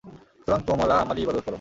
সুতরাং তোমরা আমারই ইবাদত কর।